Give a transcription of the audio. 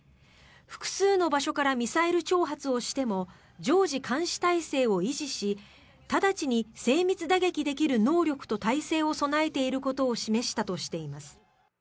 複数の場所からミサイル挑発をしても常時監視態勢を維持し直ちに精密打撃できる能力と態勢を備えていることを示したとしています。